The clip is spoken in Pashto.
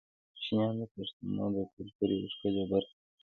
کوچیان د پښتنو د کلتور یوه ښکلې برخه ده.